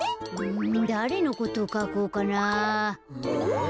うんだれのことをかこうかな。